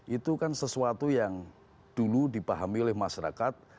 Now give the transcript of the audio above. itu kan sesuatu yang dulu dipahami oleh masyarakat